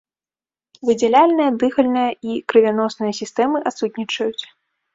Выдзяляльная, дыхальная і крывяносная сістэмы адсутнічаюць.